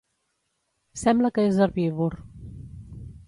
Sembla que és herbívor.